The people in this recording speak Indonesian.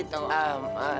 eh nenek gak usah gak usah